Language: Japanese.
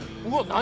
何？